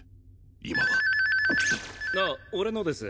今はあ俺のです。